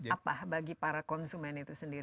apa bagi para konsumen itu sendiri